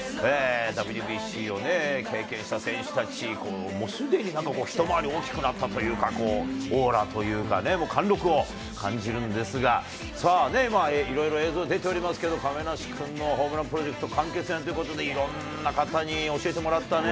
ＷＢＣをね、経験した選手たち、もうすでになんかこう、一回り大きくなったというか、こうオーラというかね、貫禄を感じるんですが、さあ、いろいろ映像出ておりますけれども、亀梨君のホームランプロジェクト完結編ということで、いろんな方に教えてもらったね。